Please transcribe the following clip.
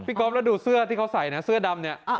ก๊อฟแล้วดูเสื้อที่เขาใส่นะเสื้อดำเนี่ย